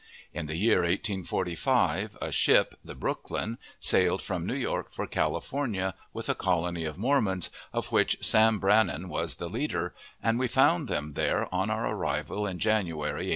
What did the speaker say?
In the year 1845 a ship, the Brooklyn, sailed from New York for California, with a colony of Mormons, of which Sam Brannan was the leader, and we found them there on our arrival in January, 1847.